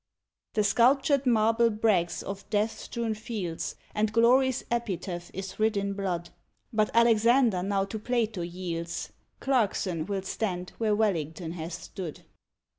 The sculptured marble brags of death strewn fields, And Glory's epitaph is writ in blood; But Alexander now to Plato yields, Clarkson will stand where Wellington hath stood.